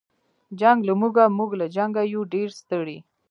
جنګ له موږه موږ له جنګه یو ډېر ستړي